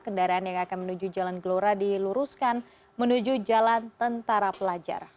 kendaraan yang akan menuju jalan gelora diluruskan menuju jalan tentara pelajar